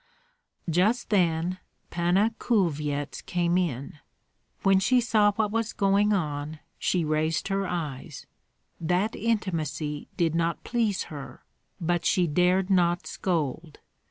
Just then Panna Kulvyets came in. When she saw what was going on, she raised her eyes. That intimacy did not please her, but she dared not scold.